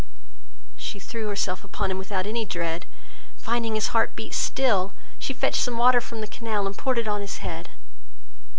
She threw herself upon him without any dread, and finding his heart beat still, she fetched some water from the canal, and poured it on his head.